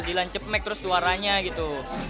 dilanjep emek terus suaranya gitu